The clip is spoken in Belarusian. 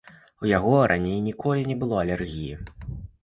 У яго раней ніколі не было алергіі.